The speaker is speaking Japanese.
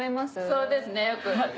そうですねよく。